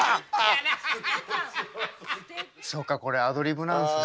そっかこれアドリブなんですね。